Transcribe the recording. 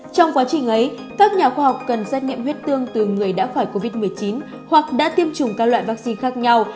trong quá trình ấy các nhà khoa học cần xét nghiệm huyết tương từ người đã khỏi covid một mươi chín hoặc đã tiêm chủng các loại vaccine khác nhau